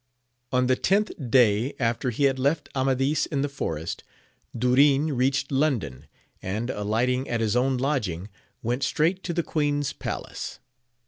|N the tenth day after he had left Amadis in the forest, Durin reached London, and, alighting at his own lodging, went straight to the queen's palace.